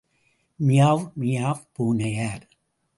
Meow meow பூனையார்.